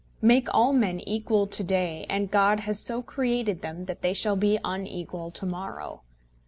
Make all men equal to day, and God has so created them that they shall be all unequal to morrow.